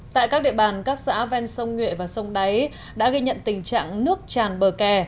tại các địa bàn các xã ven sông nhuệ và sông đáy đã ghi nhận tình trạng nước tràn bờ kè